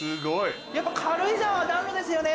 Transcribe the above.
やっぱ軽井沢は暖炉ですよね。